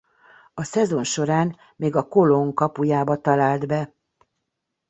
A szezon során még a Colón kapujába talált be.